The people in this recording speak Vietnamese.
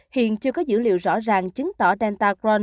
hiện chưa có dữ liệu rõ ràng chứng tỏ delta cron